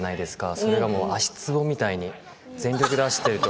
それが足つぼみたいに全力で走っていると。